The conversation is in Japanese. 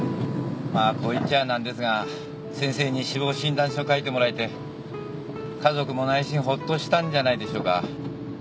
まあこう言っちゃ何ですが先生に死亡診断書書いてもらえて家族も内心ほっとしたんじゃないでしょうか。